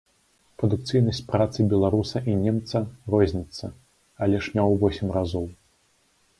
Прадукцыйнасць працы беларуса і немца розніцца, але ж не ў восем разоў.